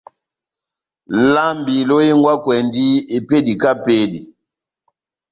Lambi lohengwakwɛndi epédi kahá epédi.